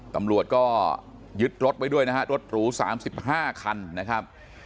ตำรวจก็ยึดรถไว้ด้วยนะฮะรถหรู๓๕คันนะครับ